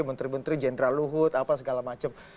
menteri menteri jenderal luhut apa segala macam